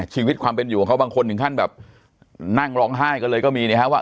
ชีวิตความเป็นอยู่ของเขาบางคนถึงขั้นแบบนั่งร้องไห้กันเลยก็มีนะครับว่า